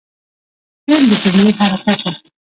فعل د جملې حرکت دئ.